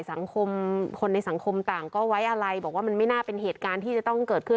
สังคมคนในสังคมต่างก็ไว้อะไรบอกว่ามันไม่น่าเป็นเหตุการณ์ที่จะต้องเกิดขึ้น